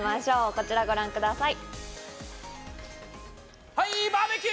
こちらをご覧ください。